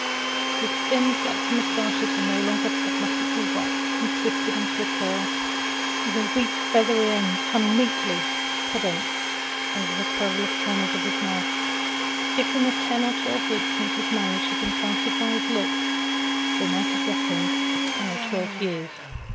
His thin flaxen mustaches were no longer pragmatically waxed and twisted into a curl: their weak feathery ends hung meekly pendent over the querulous corners of his mouth. If the ten or twelve weeks since his marriage had been counted by his locks, they might have reckoned as ten or twelve years.